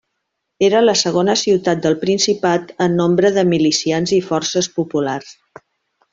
Era la segona ciutat del Principat en nombre de milicians i forces populars.